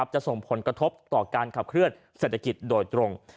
จะส่งผลกระทบต่อการขับเคลื่อนเศรษฐกิจโดยตรง